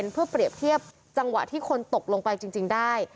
เพื่อเปรียบเทียบจังหวะที่คนตกลงไปจริงได้